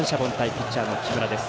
ピッチャーの木村です。